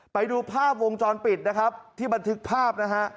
ไปดูภาพวงจรปิดนะครับที่บันทึกภาพนะฮะ